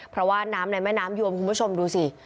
เพราะว่าน้ำในแม่น้ำยวมคุณผู้ชมดูสิ